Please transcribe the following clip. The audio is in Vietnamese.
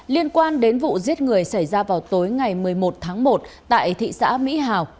liên quan đến vụ giết người xảy ra vào tối ngày một mươi một tháng một tại thị xã mỹ hào